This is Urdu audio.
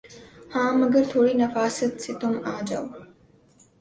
ہاں مگر تھوڑی نفاست سے تُم آؤجاؤ